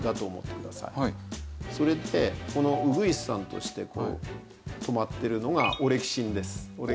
それでこのウグイスさんとして止まってるのがオレキシンです。